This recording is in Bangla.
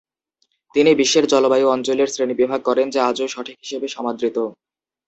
তিনি বিশ্বের জলবায়ু অঞ্চলের শ্রেণিবিভাগ করেন, যা আজও সঠিক হিসেবে সমাদৃত।